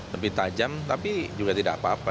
lebih tajam tapi juga tidak apa apa